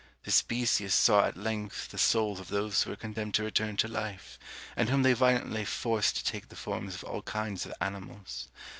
Thespesius saw at length the souls of those who were condemned to return to life, and whom they violently forced to take the forms of all kinds of animals.